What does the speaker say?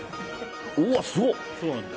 うわ、すごっ。